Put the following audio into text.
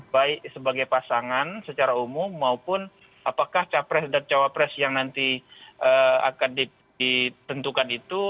baik sebagai pasangan secara umum maupun apakah capres dan cawapres yang nanti akan ditentukan itu